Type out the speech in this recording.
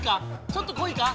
ちょっとこいか？